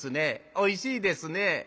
おいしいですね。